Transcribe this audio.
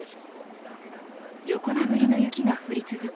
横殴りの雪が降り続く